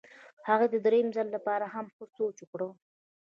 هغه د درېیم ځل لپاره هم ښه سوچ وکړ.